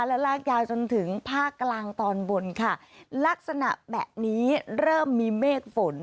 และลากยาวจนถึงภาคกลางตอนบนค่ะลักษณะแบบนี้เริ่มมีเมฆฝน